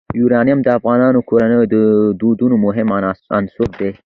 یورانیم د افغان کورنیو د دودونو مهم عنصر دی.